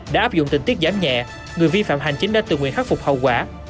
đã áp dụng tình tiết giảm nhẹ người vi phạm hành chính đã tự nguyện khắc phục hậu quả